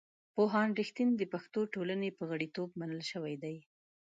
پوهاند رښتین د پښتو ټولنې په غړیتوب منل شوی دی.